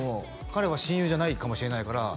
「彼は親友じゃないかもしれないから」